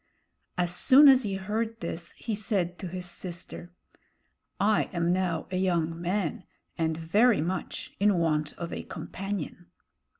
As soon as he heard this, he said to his sister: "I am now a young man and very much in want of a companion."